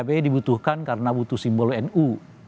spi dibutuhkan karena butuh simbol nu